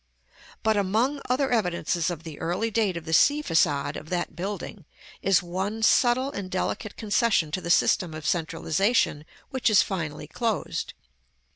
But, among other evidences of the early date of the sea façade of that building, is one subtle and delicate concession to the system of centralization which is finally closed.